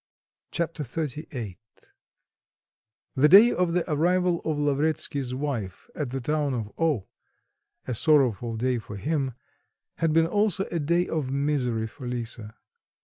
Chapter XXXVIII The day of the arrival of Lavretsky's wife at the town of O , a sorrowful day for him, and been also a day of misery for Lisa.